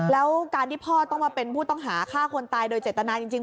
แล้วการที่พ่อต้องมาเป็นผู้ต้องหาฆ่าคนตายโดยเจตนาจริง